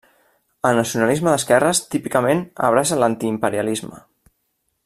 El nacionalisme d'esquerres típicament abraça l'antiimperialisme.